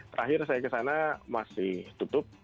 terakhir saya ke sana masih tutup